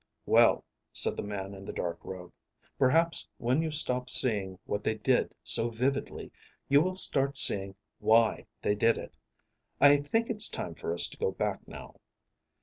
"Well," said the man in the dark robe, "perhaps when you stop seeing what they did so vividly, you will start seeing why they did it. I think it's time for us to go back now."